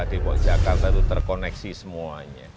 depok jakarta itu terkoneksi semuanya